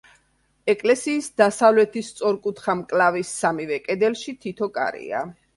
ეკლესიის დასავლეთის სწორკუთხა მკლავის სამივე კედელში თითო კარია.